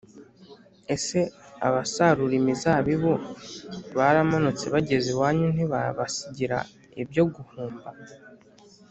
Ese abasarura imizabibu baramutse bageze iwanyu ntibabasigira ibyo guhumba